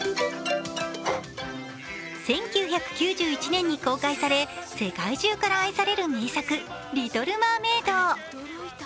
１９９１年に公開され、世界中から愛される名作「リトル・マーメイド」。